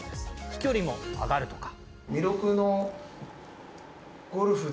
飛距離も上がるとか。